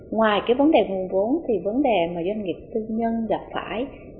ngoài cái vấn đề nguồn vốn thì vấn đề mà doanh nghiệp tư nhân gặp phải